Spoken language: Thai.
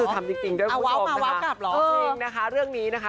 เอาวาวมาวาวกลับหรอก